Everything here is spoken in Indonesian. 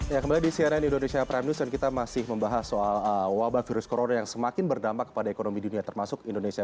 ya kembali di cnn indonesia prime news dan kita masih membahas soal wabah virus corona yang semakin berdampak kepada ekonomi dunia termasuk indonesia